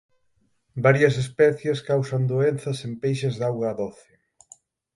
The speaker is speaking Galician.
Varias especies causan doenzas en peixes de auga doce.